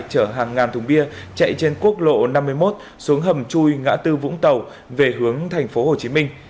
chở hàng ngàn thùng bia chạy trên quốc lộ năm mươi một xuống hầm chui ngã tư vũng tàu về hướng thành phố hồ chí minh